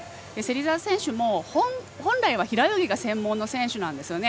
芹澤選手も本来は平泳ぎが専門の選手なんですね。